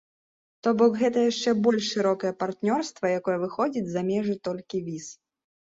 То бок гэта яшчэ больш шырокае партнёрства, якое выходзіць за межы толькі віз.